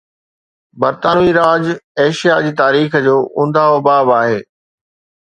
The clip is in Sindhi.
برطانوي راڄ ايشيا جي تاريخ جو اونداهو باب آهي